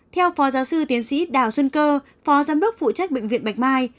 theo phó giáo sư tiến sĩ đào xuân cơ phó giám đốc phụ trách bệnh viện bạch mai